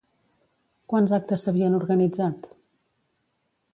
Quants actes s'havien organitzat?